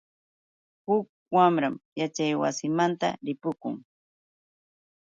Huk mamram yaćhaywasimanta ripukun.